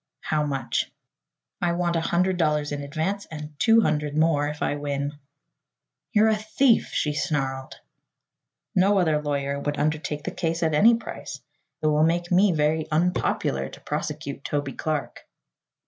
"How much?" "I want a hundred dollars in advance and two hundred more if I win." "You're a thief!" she snarled. "No other lawyer would undertake the case at any price. It will make me very unpopular to prosecute Toby Clark."